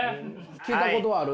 聞いたことある？